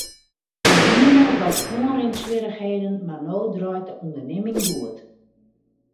Wy hiene wat oanrinswierrichheden mar no draait de ûndernimming goed.